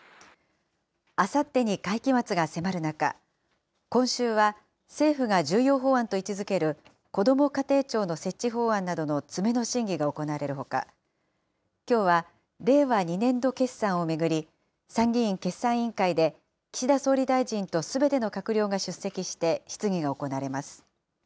あさってに会期末が迫る中、今週は、政府が重要法案と位置づけるこども家庭庁の設置法案などの詰めの審議が行われるほか、きょうは令和２年度決算を巡り、参議院決算委員会で、岸田総理大臣とすべての閣僚が出席して、質疑が行われます。